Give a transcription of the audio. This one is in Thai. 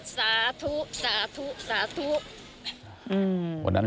สาโชค